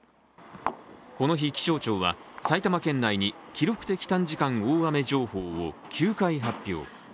この日、気象庁は埼玉県内に記録的短時間大雨情報を９回発表。